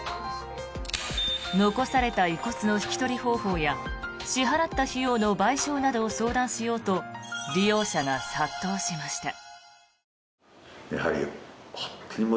残された遺骨の引き取り方法や支払った費用の賠償などを相談しようと利用者が殺到しました。